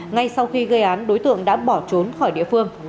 ngay sau khi gây án đối tượng đã bỏ trốn khỏi địa phương